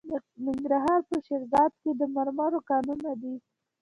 د ننګرهار په شیرزاد کې د مرمرو کانونه دي.